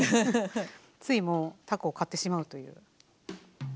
ついもうたこを買ってしまうという。